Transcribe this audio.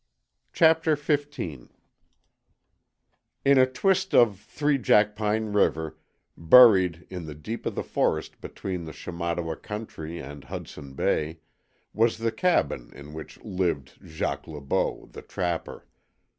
CHAPTER FIFTEEN In a twist of Three Jackpine River, buried in the deep of the forest between the Shamattawa country and Hudson Bay, was the cabin in which lived Jacques Le Beau, the trapper.